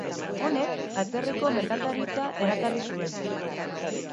Honek atzerriko merkataritza erakarri zuen.